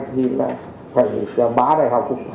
thì là phải cho ba đại học